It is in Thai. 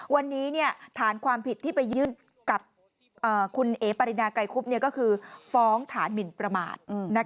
วันนี้ฐานความผิดที่ไปยื่นกับคุณเอ๋ปรินาไกรคุบก็คือฟ้องฐานหมินประมาท